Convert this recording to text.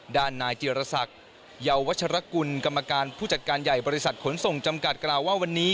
ด้านนายเจรศักดิ์เยาวัชรกุลกรรมการผู้จัดการใหญ่บริษัทขนส่งจำกัดกล่าวว่าวันนี้